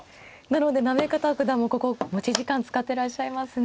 なので行方九段もここ持ち時間使ってらっしゃいますね。